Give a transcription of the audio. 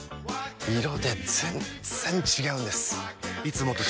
色で全然違うんです！